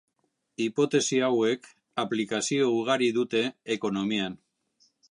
Hipotesi hauek aplikazio ugari dute ekonomian.